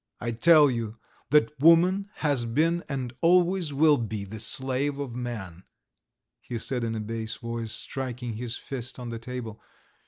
"I tell you that woman has been and always will be the slave of man," he said in a bass voice, striking his fist on the table.